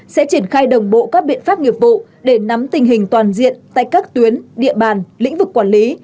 sẽ triển khai đồng bộ các biện pháp nghiệp vụ để nắm tình hình toàn diện tại các tuyến địa bàn lĩnh vực quản lý